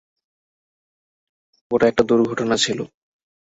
ওটা একটা দুর্ঘটনা ছিলো।